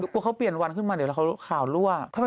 กลัวเขาเปลี่ยนวันขึ้นมาเดี๋ยวแล้วข่าวรั่ว